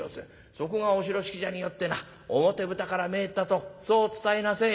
そこがお広敷じゃによってな表ぶたから参ったとそう伝えなせえ」。